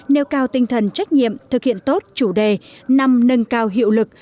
nêu cao tinh thần trách nhiệm thực hiện tốt chủ đề năm nâng cao hiệu lực